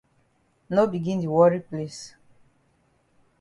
No begin di worry place.